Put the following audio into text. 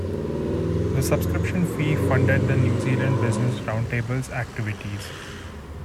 The subscription fee funded the New Zealand Business Roundtable's activities.